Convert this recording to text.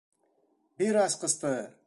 Бир асҡысты!